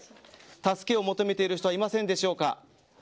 助けを求めている人はいませんでしょうか。